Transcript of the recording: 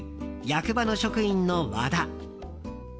役場の職員の和田。